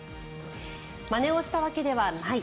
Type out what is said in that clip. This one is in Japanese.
まねをしたわけではない。